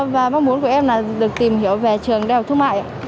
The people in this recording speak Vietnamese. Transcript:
và mong muốn của em là được tìm hiểu về trường đại học thương mại